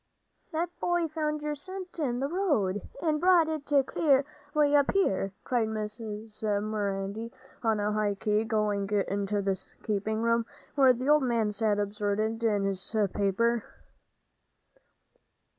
"That boy found your cent in th' road, and brought it clear way up here," cried Mrs. Marindy, on a high key, going into the keeping room, where the old man sat absorbed in his paper.